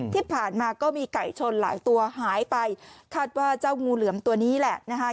ที่ผ่านมาก็มีไก่ชนหลายตัวหายไปคาดว่าเจ้างูเหลือมตัวนี้แหละนะคะ